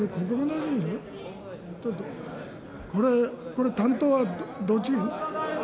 これ、担当はどっち。